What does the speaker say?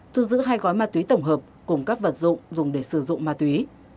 thu giữ hai gói ma túy tổng hợp cùng các vật dụng dùng để sử dụng ma túy